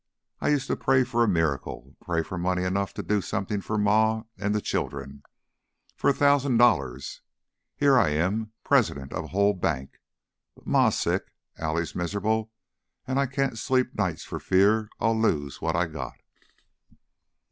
I used to pray for a miracle; pray for money enough to do something for Ma an' the children for a thousan' dollars. Here I am, president of a whole bank, but Ma's sick, Allie's miserable, an' I can't sleep nights for fear I'll lose what I got!"